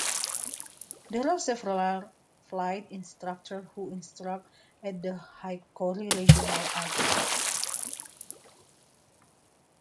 There are several flight instructors who instruct at the Hickory Regional Airport.